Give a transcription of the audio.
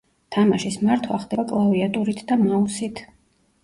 თამაშის მართვა ხდება კლავიატურით და მაუსით.